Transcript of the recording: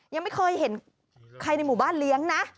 ยังไม่เคยเห็นใครในหมู่บ้านเลี้ยงนะ